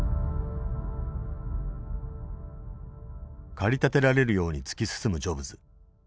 駆り立てられるように突き進むジョブズ。